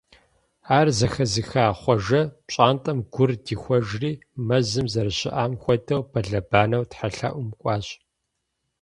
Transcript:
Ар зэхэзыха Хъуэжэ пщӀантӀэм гур дихуэжри, мэзым зэрыщыӀам хуэдэу, бэлэбанэу тхьэлъэӀум кӀуащ.